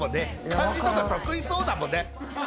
漢字とか得意そうだもんね